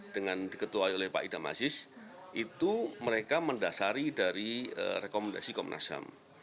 dengan diketuai oleh pak idam aziz itu mereka mendasari dari rekomendasi komnas ham